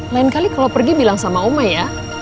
lain kali kalau pergi bilang sama oma ya